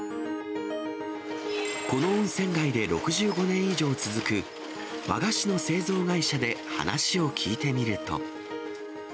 この温泉街で６５年以上続く、和菓子の製造会社で話を聞いてみると。